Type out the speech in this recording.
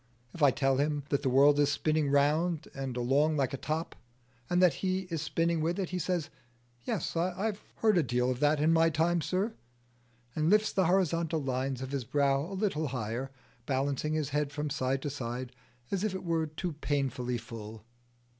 If I tell him that the world is spinning round and along like a top, and that he is spinning with it, he says, "Yes, I've heard a deal of that in my time, sir," and lifts the horizontal lines of his brow a little higher, balancing his head from side to side as if it were too painfully full.